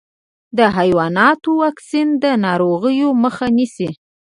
د حیواناتو واکسین د ناروغیو مخه نيسي.